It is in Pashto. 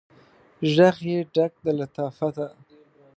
ږغ یې ډک د لطافته